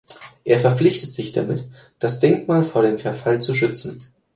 Er verpflichtete sich damit, das Denkmal vor dem Verfall zu schützen.